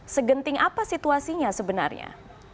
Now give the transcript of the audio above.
segenting apa situasinya sebenarnya